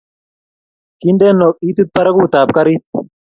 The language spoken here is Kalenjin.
Kindeno itit barakutab karit